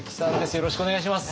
よろしくお願いします。